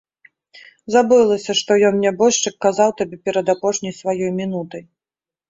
Забылася, што ён, нябожчык, казаў табе перад апошняй сваёй мінутай.